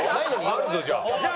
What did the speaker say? あるぞじゃあ。